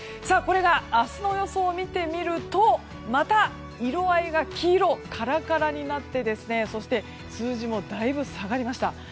これが明日の予想を見てみるとまた色合いが黄色カラカラになって、そして数字もだいぶ下がりました。